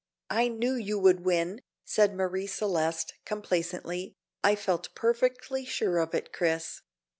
"I knew you would win," said Marie Celeste complacently; "I felt perfectly sure of it, Chris."